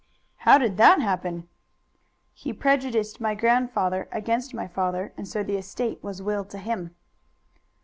"How did that happen?" "He prejudiced my grandfather against my father, and so the estate was willed to him."